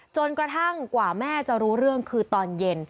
จนกระทั่งกว่าแม่จะรู้เรื่องคือตอนเย็น